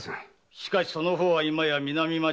しかしその方は今や南町同心。